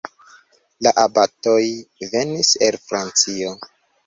La abatoj venis el Francio.